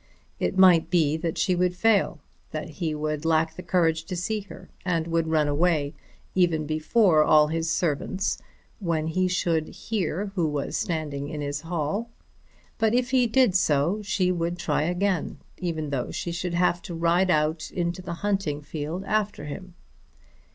It might be that she would fail, that he would lack the courage to see her, and would run away, even before all his servants, when he should hear who was standing in his hall. But if he did so she would try again, even though she should have to ride out into the hunting field after him.